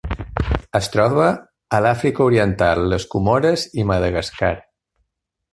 Es troba a l'Àfrica Oriental, les Comores i Madagascar.